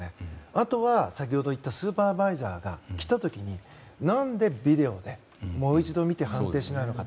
あとは、先ほど言ったスーパーバイザーが来た時に何でビデオでもう一度見て判定しないのか。